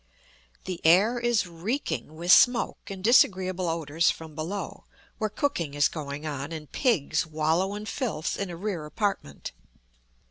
The air is reeking with smoke and disagreeable odors from below, where cooking is going on, and pigs wallow in filth in a rear apartment.